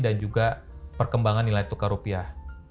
dan juga perkembangan nilai tukar rupiah